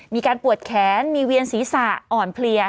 มีการปวดแขนมีเวียนศีรษะอ่อนเพลีย